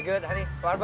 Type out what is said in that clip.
bagaimana dengan anda